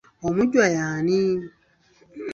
Omujjwa ye ani?